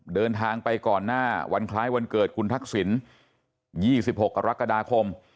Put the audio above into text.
เดินทางไปก่อนหน้าวันคล้ายวันเกิดคุณทักษิณ๒๖กรกฎาคม